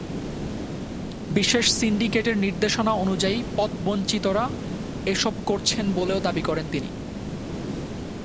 বিশেষ সিন্ডিকেটের নির্দেশনা অনুযায়ী পদবঞ্চিতরা এসব করছেন বলেও দাবি করেন তিনি।